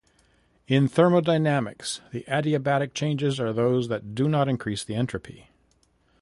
In thermodynamics, adiabatic changes are those that do not increase the entropy.